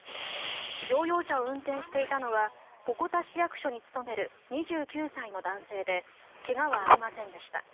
乗用車を運転していたのは鉾田市役所に勤める２９歳の男性で怪我はありませんでした。